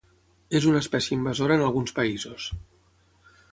És una espècie invasora en alguns països.